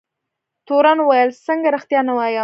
تورن وویل څنګه رښتیا نه وایم.